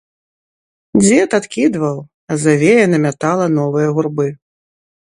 Дзед адкідваў, а завея намятала новыя гурбы.